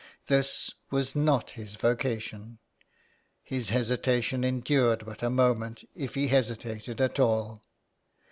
This was not his vocation. His hesitation endured but a moment, if he hesitated at all.